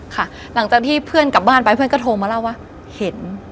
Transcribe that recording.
ค่ะหลังจากที่เพื่อนกลับบ้านไปเพื่อนก็โทรมาเล่าว่าเห็น